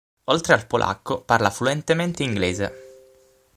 Oltre al polacco, parla fluentemente inglese.